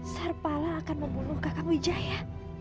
sarpala akan membunuh kak kang ujaya